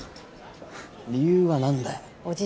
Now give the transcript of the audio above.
理由はなんだよ？